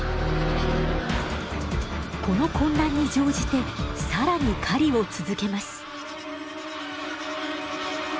この混乱に乗じてさらに狩りを続けます。